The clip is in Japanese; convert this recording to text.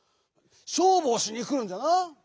「しょうぶをしに」くるんじゃな？